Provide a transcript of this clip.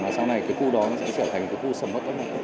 và sau này cái khu đó nó sẽ trở thành cái khu sầm bất tâm